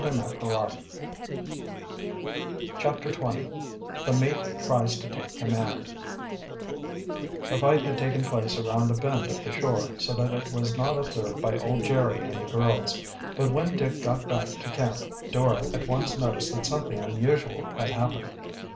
CHAPTER XX THE MATE TRIES TO TAKE COMMAND The fight had taken place around a bend of the shore, so that it was not observed by old Jerry and the girls. But when Dick got back to camp Dora at once noticed that something unusual had happened.